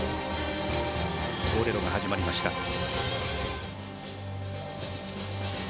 ボレロが始まりました。